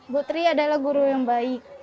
bu tri adalah guru yang baik